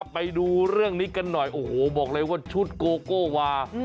ไปดูเรื่องนี้กันหน่อยโอ้โหบอกเลยว่าชุดโกโก้วา